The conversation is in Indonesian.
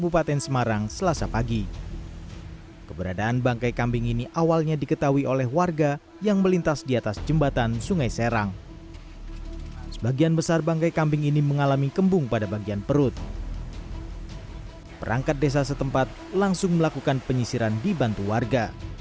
pembangunan bangkai kambing